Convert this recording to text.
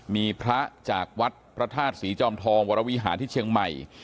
มีพระจากวัดพระธาตุศรีจอมทองวรวิหารที่เชียงใหม่